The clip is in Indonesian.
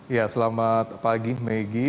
ya selamat pagi megi